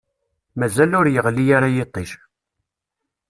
Mazal ur yeɣli ara yiṭij.